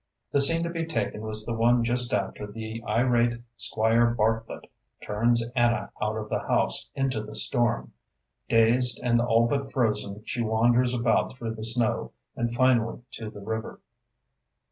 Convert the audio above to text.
The scene to be taken was the one just after the irate Squire Bartlett turns Anna out of the house into the storm. Dazed and all but frozen, she wanders about through the snow, and finally to the river.